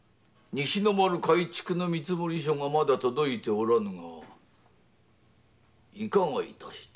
西の丸改築の見積もり書がまだ届いてないがいかがいたした？